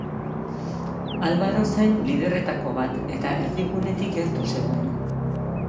Alvaro zen liderretako bat, eta erdigunetik gertu zegoen.